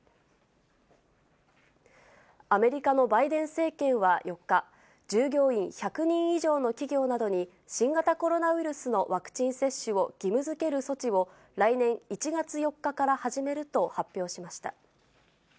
アメリカのバイデン政権は４日、従業員１００人以上の企業などに、新型コロナウイルスのワクチン接種を義務づける措置を、来年１月４日から始めると発表しました。